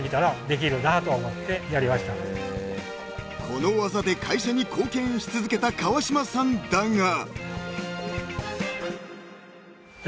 ［この技で会社に貢献し続けた川島さんだが］